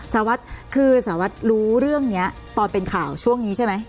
สารวัฒน์คือสารวัตรรู้เรื่องนี้ตอนเป็นข่าวช่วงนี้ใช่ไหม